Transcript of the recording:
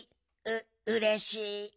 ううれしい。